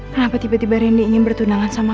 kenapa tiba tiba randy ingin bertunjukan dengan aku